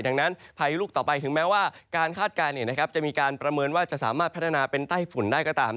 ดังนั้นพายุลูกต่อไปถึงแม้ว่าการคาดการณ์จะมีการประเมินว่าจะสามารถพัฒนาเป็นใต้ฝุ่นได้ก็ตาม